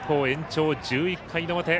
延長１１回の表。